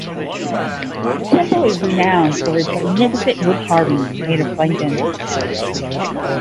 The temple is renowned for its magnificent wood carvings made of plankton.